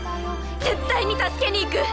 絶対に助けに行く！